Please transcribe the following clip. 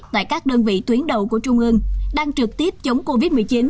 tại các đơn vị tuyến đầu của trung ương đang trực tiếp chống covid một mươi chín